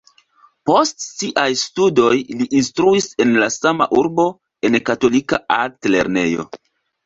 Post siaj studoj li instruis en la sama urbo en katolika altlernejo.